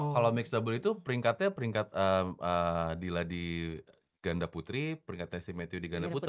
kalau mix double itu peringkatnya peringkat dila di ganda putri peringkatnya si matthew di ganda putra